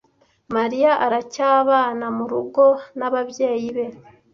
Mariya aracyabana murugo n'ababyeyi be.